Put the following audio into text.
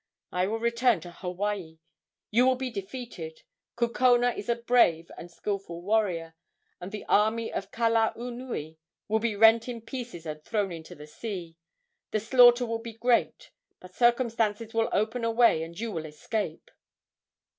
I will return to Hawaii. You will be defeated. Kukona is a brave and skilful warrior, and the army of Kalaunui. will be rent in pieces and thrown into the sea. The slaughter will be great, but circumstances will open a way and you will escape."